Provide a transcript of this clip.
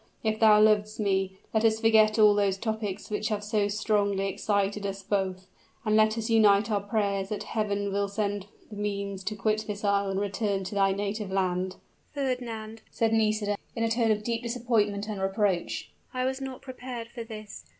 If thou lovest me, let us forget all those topics which have so strongly excited us both: and let us unite our prayers that Heaven will send thee means to quit this isle and return to thy native land." "Fernand," said Nisida, in a tone of deep disappointment and reproach, "I was not prepared for this.